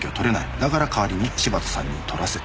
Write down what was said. だから代わりに柴田さんに取らせた。